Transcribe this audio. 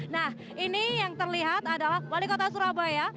nah ini yang terlihat adalah wali kota surabaya